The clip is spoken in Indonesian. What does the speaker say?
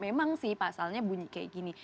memang sih pasalnya bunyi kayak gini